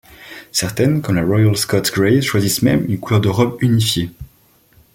Certaines, comme la Royal Scots Greys choisissent même une couleur de robe unifiée.